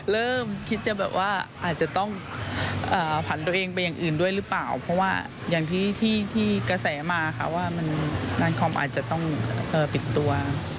เริ่มคิดจะแบบว่าอาจจะต้องผ่านตัวเองไปอย่างอื่นด้วยหรือเปล่าเพราะว่าอย่างที่กระแสมาค่ะว่ามันงานคอมอาจจะต้องปิดตัว